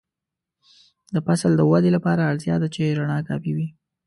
د فصل د ودې لپاره اړتیا ده چې رڼا کافي وي.